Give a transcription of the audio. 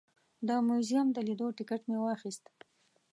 د موزیم د لیدو ټکټ مې واخیست.